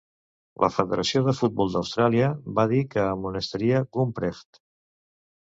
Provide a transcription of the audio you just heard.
La Federació de futbol d'Austràlia va dir que amonestaria Gumprecht.